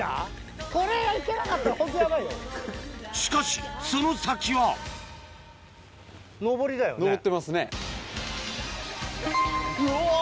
しかしその先はうお！